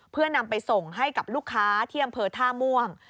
เพื่อนำไปส่งให้กับลูกค้าที่อำเภอท่าม่วง